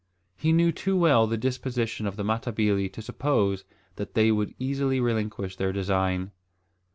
He knew too well the disposition of the Matabili to suppose that they would easily relinquish their design.